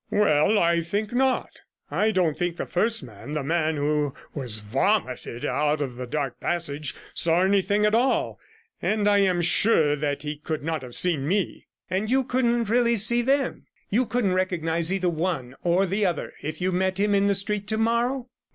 'Well, I think not. I don't think the first man, the man who was vomited out of the dark passage, saw anything at all; and I am sure that he could not have seen me.' 'And you didn't really see them. You couldn't recognize either the one or the other if you met him in the street to morrow?'